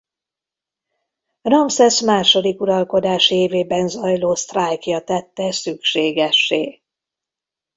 Ramszesz második uralkodási évében zajló sztrájkja tette szükségessé.